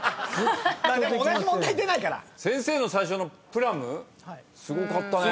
先生の最初の「ｐｌｕｍ」すごかったね。